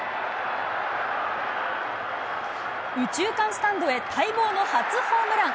右中間スタンドへ待望の初ホームラン。